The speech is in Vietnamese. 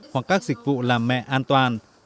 hoặc các dịch vụ làm mẹ an toàn